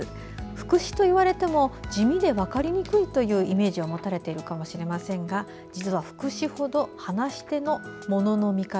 副詞と言われても地味で分かりにくいイメージを持たれているかもしれませんが実は、副詞ほど話し手のものの見方